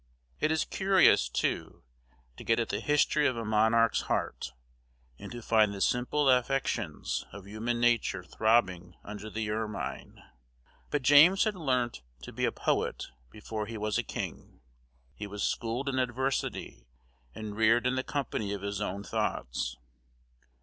It is curious, too, to get at the history of a monarch's heart, and to find the simple affections of human nature throbbing under the ermine. But James had learnt to be a poet before he was a king; he was schooled in adversity, and reared in the company of his own thoughts.